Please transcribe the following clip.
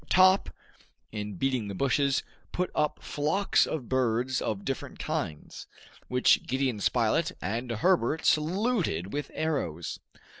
Top, in beating the bushes, put up flocks of birds of different kinds, which Gideon Spilett and Herbert saluted with arrows.